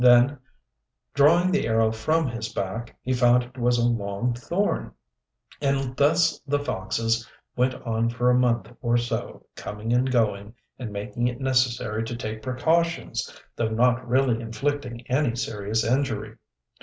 Then, drawing the arrow from his back, he found it was a long thorn; and thus the foxes went on for a month or so, coming and going, and making it necessary to take precautions, though not really inflicting any serious injury.